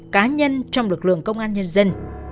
cá nhân trong lực lượng công an nhân dân